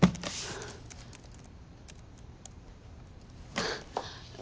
あっ。